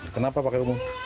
kenapa pakai umum